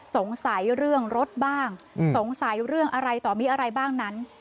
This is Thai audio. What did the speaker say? สงสัยเรื่องรถบ้างสงสัยเรื่องอะไรต่อมีอะไรบ้างนั้น